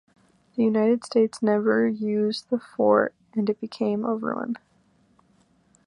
The United States never used the fort and it became a ruin.